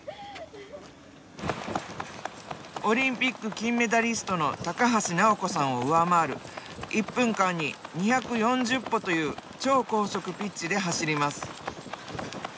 オリンピック金メダリストの高橋尚子さんを上回る１分間に２４０歩という超高速ピッチで走ります。